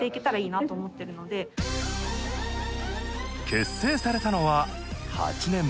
結成されたのは８年前。